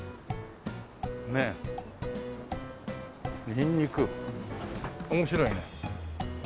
ニンニク面白いね。